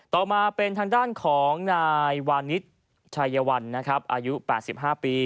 ต่อมาเป็นทางด้านของนายวานิสชัยวันนะครับอายุ๘๕ปี